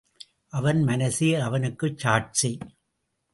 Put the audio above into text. அவன் மனசே அவனுக்குச் சாட்சி.